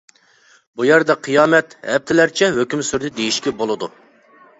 بۇ يەردە قىيامەت ھەپتىلەرچە ھۆكۈم سۈردى دېيىشكە بولىدۇ.